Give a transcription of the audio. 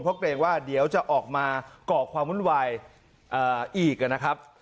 เพราะเกรงว่าเดี๋ยวจะออกมาก่อความวุ่นวายอีกนะครับ